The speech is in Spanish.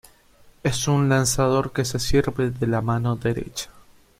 Es un lanzador que se sirve de la mano derecha.